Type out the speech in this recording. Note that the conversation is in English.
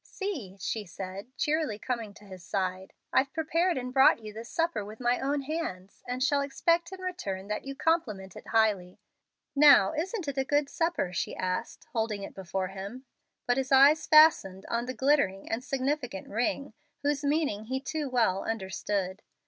"See," she said, cheerily, coming to his side, "I've prepared and brought you this supper with my own hands, and shall expect in return that you compliment it highly. Now, isn't it a good supper?" she asked, holding it before him. But his eyes fastened on the glittering and significant ring, whose meaning he too well understood.